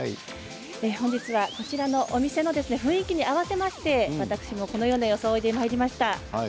本日はこちらのお店の雰囲気に合わせましてこのような装いでまいりました。